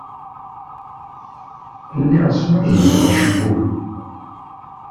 Lliɣ snuzuyeɣ acebbub-iw.